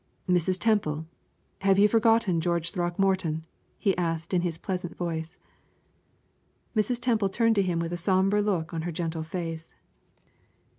"Mrs. Temple, have you forgotten George Throckmorton?" he asked in his pleasant voice. Mrs. Temple turned to him with a somber look on her gentle face.